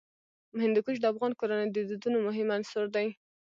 هندوکش د افغان کورنیو د دودونو مهم عنصر دی.